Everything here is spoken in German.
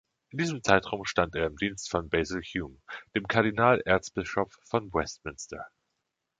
In diesem Zeitraum stand er im Dienst von Basil Hume, dem Kardinal Erzbischof von Westminster.